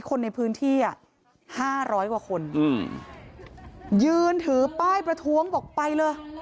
คนในพื้นที่อ่ะห้าร้อยกว่าคนอืมยืนถือป้ายประท้วงบอกไปเลย